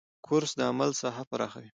کورس د عمل ساحه پراخوي.